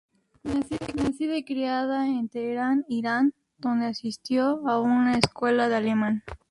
Nacida y criada en Teherán, Irán, donde asistió a una escuela de alemán.